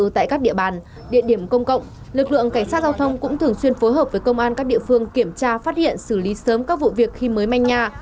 tại các địa bàn địa điểm công cộng lực lượng cảnh sát giao thông cũng thường xuyên phối hợp với công an các địa phương kiểm tra phát hiện xử lý sớm các vụ việc khi mới manh nhà